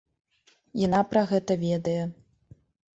Яна пра гэта ведае.